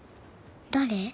誰？